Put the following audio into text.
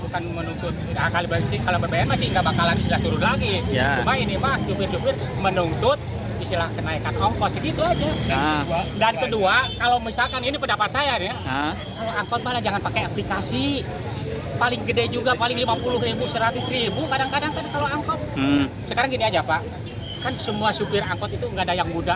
kan semua sopir angkut itu nggak ada yang muda yang tua gimana kalau nggak punya aplikasi eh apa hape android